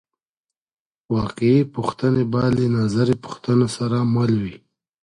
واقعي پوښتنې باید له نظري پوښتنو سره مل وي.